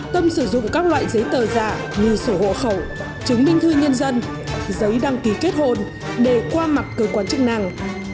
tâm sử dụng các loại giấy tờ giả như sổ hộ khẩu chứng minh thư nhân dân giấy đăng ký kết hôn để qua mặt cơ quan chức năng